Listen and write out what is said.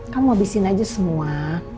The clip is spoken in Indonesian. kamu habisin aja semua